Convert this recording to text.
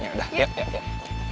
yaudah yuk yuk yuk